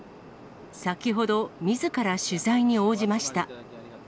先ほど、みずから取材に応じました。